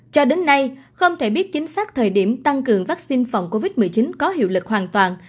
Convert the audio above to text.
cho đến nay không thể biết chính xác thời điểm tăng cường vaccine phòng covid một mươi chín có hiệu lực hoàn toàn